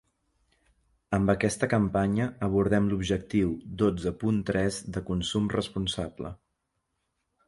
Amb aquesta campanya abordem l’objectiu dotze punt tres de consum responsable.